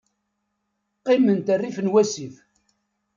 Qqiment rrif n wasif.